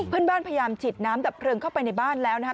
เพื่อนบ้านพยายามจิดน้ำดับเพลิงเข้าไปในบ้านแล้วนะคะ